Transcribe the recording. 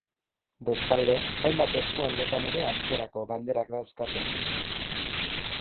Bestalde, hainbat eskualdetan ere antzerako banderak dauzkate.